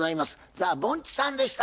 ザ・ぼんちさんでした。